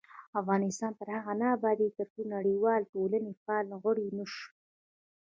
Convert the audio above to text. افغانستان تر هغو نه ابادیږي، ترڅو د نړیوالې ټولنې فعال غړي نشو.